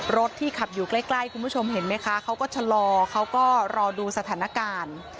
รถที่ขับอยู่ใกล้คุณผู้ชมเห็นไหมคะเขาก็ชะลอเขาก็รอดูสถานการณ์